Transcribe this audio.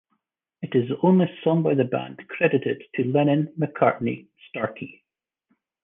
It is the only song by the band credited to Lennon-McCartney-Starkey.